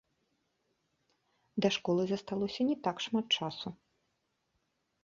Да школы засталося не так шмат часу.